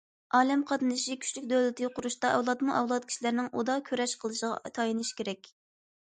ئالەم قاتنىشى كۈچلۈك دۆلىتى قۇرۇشتا ئەۋلادمۇئەۋلاد كىشىلەرنىڭ ئۇدا كۈرەش قىلىشىغا تايىنىش كېرەك.